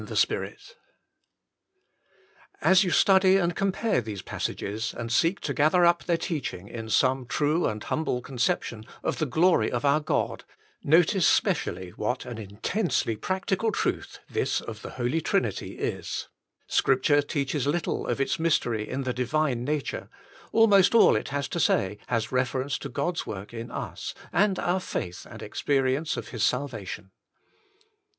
the Spirit 146 The Inner Chamber As you study and compare these passages, and seek to gather up their teaching in some true and humble conception of the glory of our God, notice specially what an intensely practical truth this of the Holy Trinity is. Scripture teaches little of its mystery in the Divine nature, almost all it has to say has reference to God's work in us, and our faith and experience of His salvation.